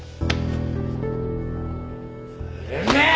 てめえ！